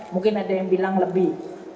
mungkin ada yang bilang lebih